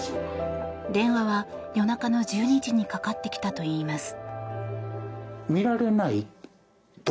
電話は夜中の１２時にかかってきたといいます。